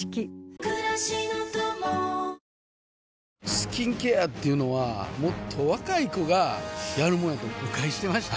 スキンケアっていうのはもっと若い子がやるもんやと誤解してました